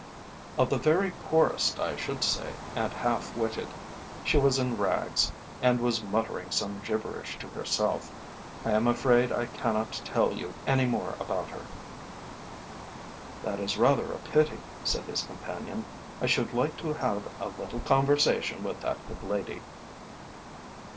"Of the very poorest, I should say, and half witted. She was in rags, and was muttering some gibberish to herself. I am afraid I cannot tell you any more about her." "That is rather a pity," said his companion. "I should like to have a little conversation with that good lady."